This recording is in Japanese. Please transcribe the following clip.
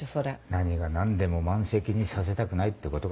何が何でも満席にさせたくないってことか。